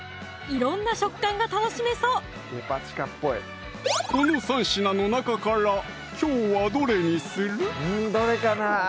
色んな食感が楽しめそうこの３品の中からきょうはどれにする？